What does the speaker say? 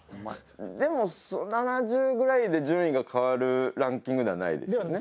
でも７０ぐらいで順位が変わるランキングではないですよね。